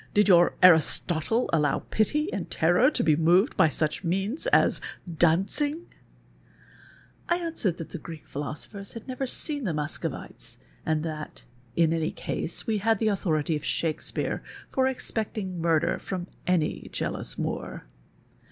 Did your Aristotle allow pity and terror to be moved by such means as dancing ?"' I answered that the Greek jjhilosopher had never seen the Muscovites and that, in any case, wc had the authority of Shakespeare for expecting nuirder from any jealous Moor.